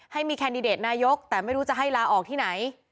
ให้มีแคนดิเดตนายกแต่ไม่รู้จะให้ลาออกที่ไหน